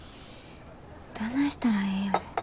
どないしたらええんやろ。